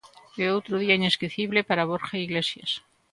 E outro día inesquecible para Borja Iglesias.